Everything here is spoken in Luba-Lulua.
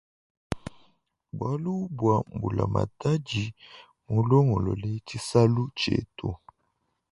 Bwalu bwa mbula matadi mulongolole tshisalu tshietu.